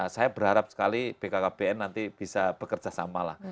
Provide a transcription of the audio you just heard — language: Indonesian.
saya berharap sekali bkkbn nanti bisa bekerja sama lah